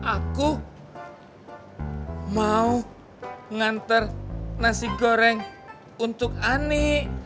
aku mau nganter nasi goreng untuk ani